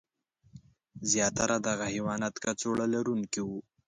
زیاتره دغه حیوانات کڅوړه لرونکي وو.